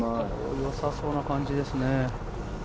よさそうな感じですね。